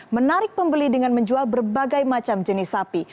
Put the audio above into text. menarik pembeli dengan menjual berbagai macam jenis sapi